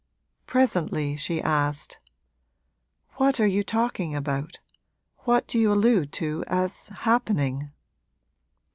Presently she asked: 'What are you talking about what do you allude to as happening?'